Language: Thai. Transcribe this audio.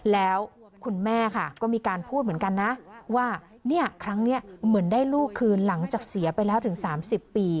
แล้วคุณแม่ค่ะก็มีการพูดเหมือนกันนะว่าเนี่ยครั้งนี้เหมือนได้ลูกคืนหลังจากเสียไปแล้วถึง๓๐ปี